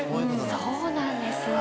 そうなんです。